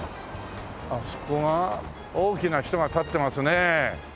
あそこは大きな人が立ってますねえ。